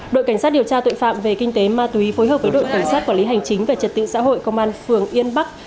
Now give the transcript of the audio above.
đội cảnh sát điều tra tội phạm về kinh tế ma túy phối hợp với đội cảnh sát quản lý hành chính về trật tự xã hội công an phường yên bắc